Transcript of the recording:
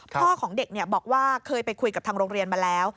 พ่อของเด็กบอกว่าเคยไปคุยกับทางโรงเรียนมาแล้ว